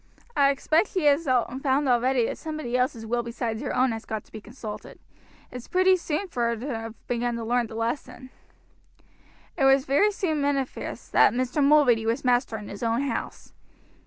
I expect she has found already that somebody else's will besides her own has got to be consulted; it's pretty soon for her to have begun to learn the lesson." It was very soon manifest that Mr. Mulready was master in his own house.